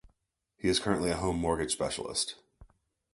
He is currently a home mortgage specialist.